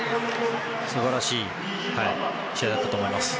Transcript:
素晴らしい試合だったと思います。